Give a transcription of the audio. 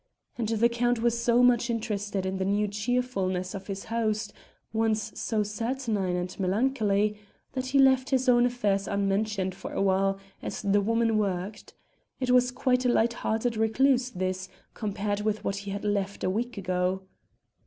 And the Count was so much interested in the new cheerfulness of his host (once so saturnine and melancholy) that he left his own affairs unmentioned for a while as the woman worked. It was quite a light hearted recluse this, compared with that he had left a week ago.